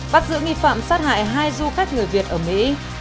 bắt giữ nghi phạm sát hại hai du khách người việt ở mỹ